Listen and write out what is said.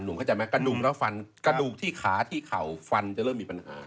เข้าใจไหมกระดูกแล้วฟันกระดูกที่ขาที่เข่าฟันจะเริ่มมีปัญหา